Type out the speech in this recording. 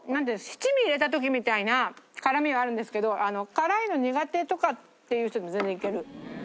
七味入れた時みたいな辛みはあるんですけど辛いの苦手とかっていう人でも全然いける。